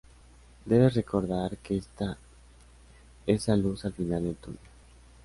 Debes recordar que está esa luz al final del túnel".